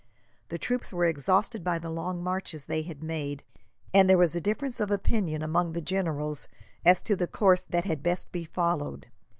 The troops were exhausted by the long marches they had made, and there was a difference of opinion among the generals as to the course that had best be followed.